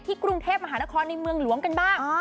กรุงเทพมหานครในเมืองหลวงกันบ้าง